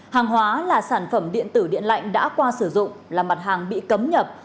hàng hóa là sản phẩm điện tử điện lạnh đã qua sử dụng là mặt hàng bị cấm nhập